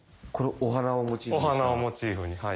お花をモチーフに。